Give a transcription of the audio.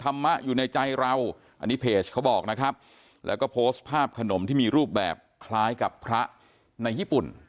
การที่จะนำวัตถุมคลทที่เคารพของพุทธศาสนิกชนมาทำในลักษณะแบบนี้